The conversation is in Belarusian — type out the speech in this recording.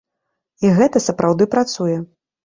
І гэта сапраўды працуе.